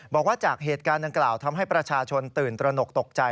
บอกว่าจากเหตุการณ์ดังกล่าวทำให้ประชาชนตื่นตระหนกตกใจ